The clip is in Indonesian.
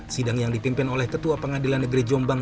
sidang yang dipimpin oleh ketua pengadilan negeri jombang